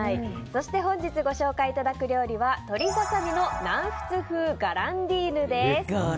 そして、本日ご紹介いただく料理は鶏ササミの南仏風ガランティーヌです。